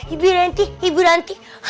ibu ranti ibu ranti